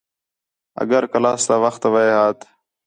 اگر کلاس تا وخت وے ہات